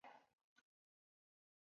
但是看起来不多呀